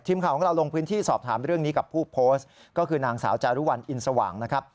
ทีมข่าวของเราลงพื้นที่สอบถามเรื่องนี้กับผู้โพสต์ก็คือนางสาวจารุวัลอินสว่างนะครับ